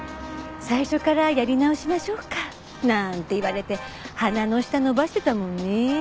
最初からやり直しましょうかなんて言われて鼻の下伸ばしてたもんね。